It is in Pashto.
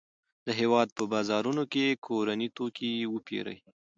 د هېواد په بازارونو کې کورني توکي وپیرئ.